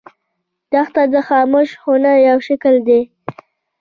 دښته د خاموش هنر یو شکل دی.